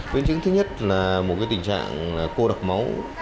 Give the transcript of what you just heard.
biến chứng thứ nhất là một tình trạng cô độc máu